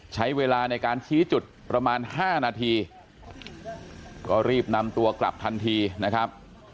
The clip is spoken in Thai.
ใช้เวลาในการชี้จุดประมาณ๕นาทีก็รีบนำตัวกลับทันทีนะครับ